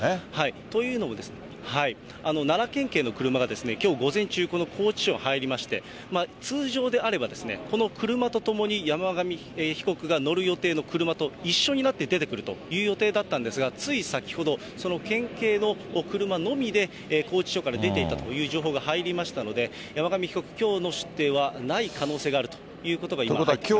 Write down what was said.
というのも、奈良県警の車が、きょう午前中、この拘置所に入りまして、通常であれば、この車と共に山上被告が乗る予定の車と一緒になって出てくるという予定だったんですが、つい先ほどその県警の車のみで、拘置所から出ていったという情報が入りましたので、山上被告、きょうの出廷はない可能性があるということが今、入ってきました。